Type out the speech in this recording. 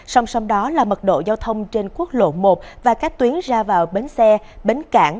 song song đó là mật độ giao thông trên quốc lộ một và các tuyến ra vào bến xe bến cảng